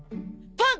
パン！